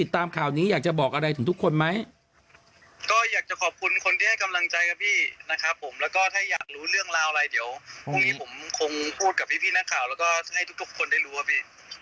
ผมคงพูดกับพี่ร่างกาลและก็ให้ทุกคนได้รู้ครับบิ